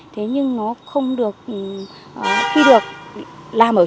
thế nhưng nó không được khi được làm ở trường